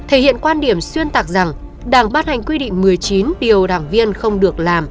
thể hiện quan điểm xuyên tạc rằng đảng bát hành quy định một mươi chín điều đảng viên không được làm